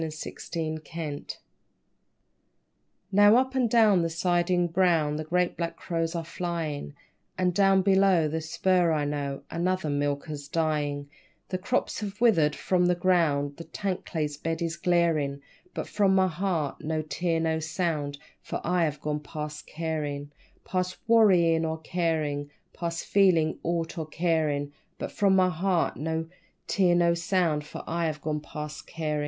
_ Past Carin' Now up and down the siding brown The great black crows are flyin', And down below the spur, I know, Another 'milker's' dyin'; The crops have withered from the ground, The tank's clay bed is glarin', But from my heart no tear nor sound, For I have gone past carin' _Past worryin' or carin', Past feelin' aught or carin'; But from my heart no tear nor sound, For I have gone past carin'.